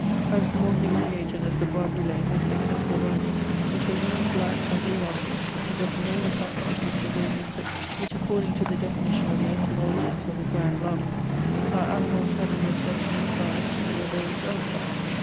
I was the more humiliated, as the Bois Brule, my successful rival, was a lean, black, ugly rascal, possessing all the characteristics of those insects, which, according to the definition of the en tomologists of the grand lama, are animals having their flesh inside and their bones outside.